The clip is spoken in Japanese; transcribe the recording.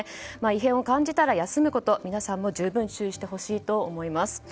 異変を感じたら休むこと皆さんも十分注意してほしいと思います。